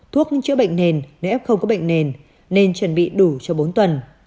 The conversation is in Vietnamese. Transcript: thuốc chữa bệnh nền nếu f không có bệnh nền nên chuẩn bị đủ cho bốn tuần